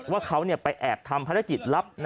ว่าเขาเนี่ยไปแอบทำภัยกิจลับ